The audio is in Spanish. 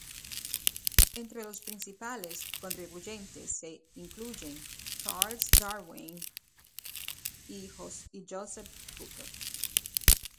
Entre los principales contribuyentes se incluyen Charles Darwin y Joseph Hooker.